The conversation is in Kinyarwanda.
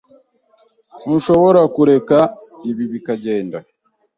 Ntushobora kureka ibi bikagenda?